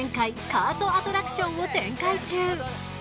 カートアトラクションを展開中。